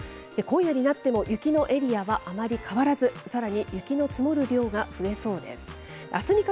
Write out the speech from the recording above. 今夜になっても雪のエリアはあまり変わらず、さらに雪の積もる量が増えそうです。